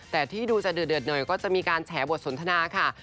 แต่ที่ดูจะเดือดหน่อยก็จะมีการแฉบทสนทนาค่ะ